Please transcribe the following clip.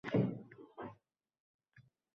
Hatto eng irodali